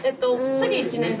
次１年生。